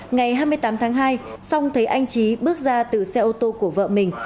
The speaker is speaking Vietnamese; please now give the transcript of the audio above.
ngày hai mươi tám tháng hai song thấy anh trí bước ra từ xe ô tô của vợ mình